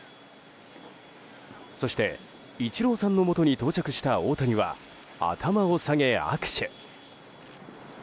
そしてイチローさんのもとに到着した大谷は頭を下げ握手。